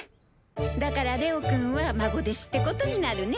だからレオくんは孫弟子ってことになるね。